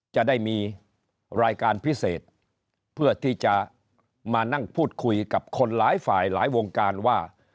จะได้มีรายการพิเศษเพื่อที่จะมานั่งพูดคุยกับคนหลายฝ่ายหลายวงการว่า